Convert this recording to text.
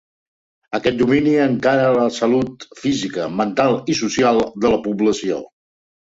Aquest domini encara la salut física, mental i social de la població.